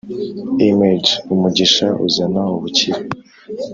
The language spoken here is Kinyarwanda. Img umugisha uzana ubukire